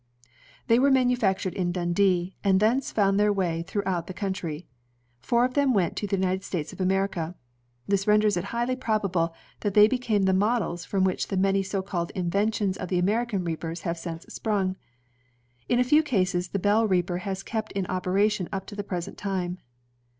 They were manufactured in Dimdee, and thence foimd their way throughout the coimtry. Four of them went to the United States of America. This renders it highly probable that they became the models from which the many so called inventions of the American reapers have since sprung. ... In a few cases the Bell reaper has kept in operation up to the present time."